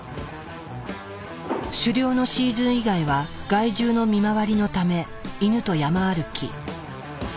狩猟のシーズン以外は害獣の見回りのためイヌと山歩き。